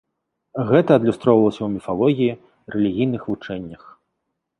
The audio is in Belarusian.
Гэта адлюстроўвалася ў міфалогіі, рэлігійных вучэннях.